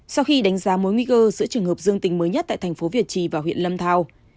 sau khi đánh giá mối nguy cơ giữa trường hợp dương tính mới nhất tại thành phố việt trì và huyện lâm thao